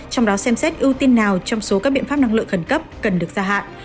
trong đó xem xét ưu tiên nào trong số các biện pháp năng lượng khẩn cấp cần được gia hạn